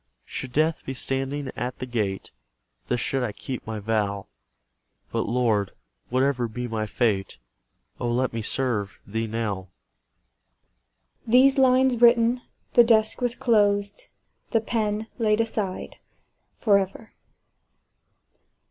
Should death be standing at the gate, Thus should I keep my vow: But, Lord! whatever be my fate, Oh, let me serve Thee now! These lines written, the desk was closed, the pen laid aside for ever.